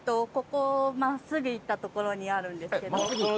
ここを真っすぐ行った所にあるんですけど。